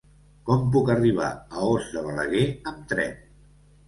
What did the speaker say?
Com puc arribar a Os de Balaguer amb tren?